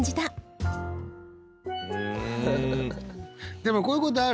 でもこういうことある？